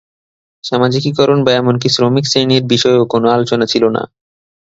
সামাজিকীকরণ বা এমনকি শ্রমিক শ্রেণীর বিষয়েও কোন আলোচনা ছিল না।